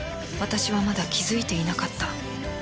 私はまだ気づいていなかった